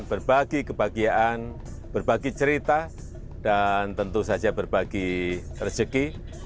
berbagi kebahagiaan berbagi cerita dan tentu saja berbagi rezeki